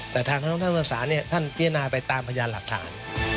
แต่ทางพนักงานภาษาท่านเรียนราไปตามพญานหลักฐาน